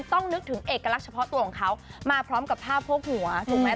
ต้องนึกถึงเอกลักษณ์เฉพาะตัวของเขามาพร้อมกับผ้าโพกหัวถูกไหม